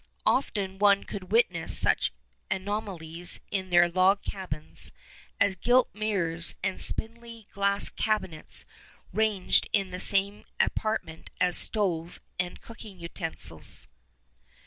Often one could witness such anomalies in their log cabins as gilt mirrors and spindly glass cabinets ranged in the same apartment as stove and cooking utensils.